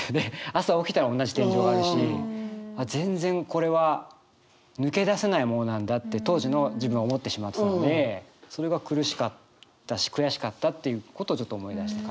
朝起きたら同じ天井があるし全然これは抜け出せないものなんだって当時の自分は思ってしまってたのでそれが苦しかったし悔しかったっていうことをちょっと思い出して書いた。